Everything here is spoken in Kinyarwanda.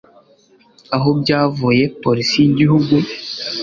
Aho byavuye Polisi y Igihugu